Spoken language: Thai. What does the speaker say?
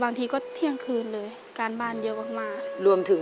รายการต่อปีนี้เป็นรายการทั่วไปสามารถรับชมได้ทุกวัย